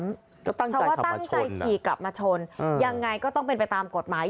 เพราะว่าตั้งใจขี่กลับมาชนยังไงก็ต้องเป็นไปตามกฎหมาย